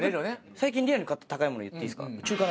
最近リアルに買った高いもの言っていいですか。